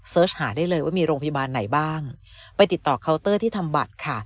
หาได้เลยว่ามีโรงพยาบาลไหนบ้างไปติดต่อเคาน์เตอร์ที่ทำบัตรค่ะ